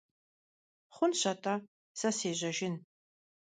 Хъунщ атӏэ, сэ сежьэжын.